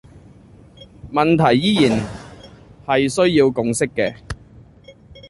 問題依然係需要共識嘅